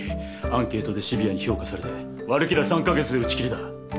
アンケートでシビアに評価されて悪けりゃ３カ月で打ち切りだ。